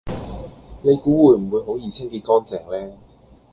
你估會唔會好易清潔乾淨呢